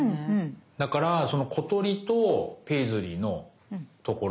だからその小鳥とペイズリーのところ？